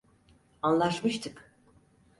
Anlaşmıştık.